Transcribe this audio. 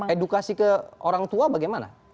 edukasi ke orang tua bagaimana